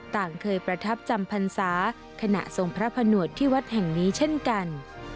ต่างเคยประทับจำพรรษาขณะทรงพระผนวดที่วัดแห่งนี้เช่นกัน